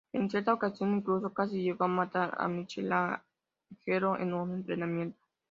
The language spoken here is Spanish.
En cierta ocasión incluso casi llegó a matar a Michelangelo en un entrenamiento.